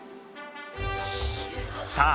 さあ！